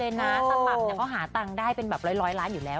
คือเราเข้าใจเลยนะสมัครเนี่ยก็หาตังค์ได้เป็นแบบร้อยล้านอยู่แล้ว